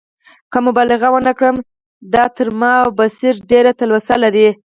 که مبالغه ونه کړم، دا تر ما او بصیر ډېره تلوسه لري.